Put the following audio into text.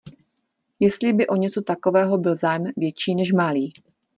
Jestli by o něco takového byl zájem větší než malý.